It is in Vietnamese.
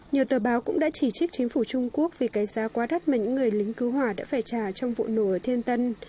nhiều tờ báo cũng đã chỉ trích chính phủ trung quốc vì cái giá quá đắt mà những người lính cứu hỏa đã phải trả trong vụ nổ ở thiên tân